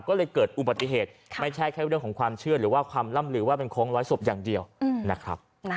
ก็เลยเกิดอุบัติเหตุไม่ใช่แค่เรื่องของความเชื่อหรือว่าความล่ำลือว่าเป็นโค้งร้อยศพอย่างเดียวนะครับ